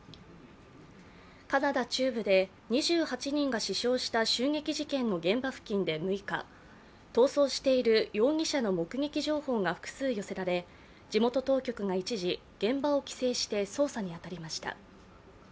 カナダ中部で２８人が死傷した襲撃事件の現場付近で６日、逃走している容疑者の目撃情報が複数寄せられ、地元当局が一時、現場を規制して捜査に当たりました。